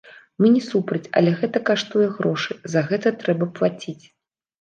Мы не супраць, але гэта каштуе грошай, за гэта трэба плаціць.